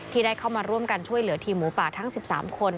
ที่ได้เข้ามาร่วมกันช่วยเหลือทีมหมูป่าทั้ง๑๓คน